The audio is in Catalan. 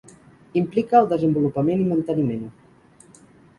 Implica al desenvolupament i manteniment.